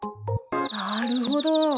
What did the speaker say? なるほど。